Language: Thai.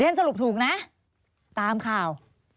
เรียนสรุปถูกนะตามข่าว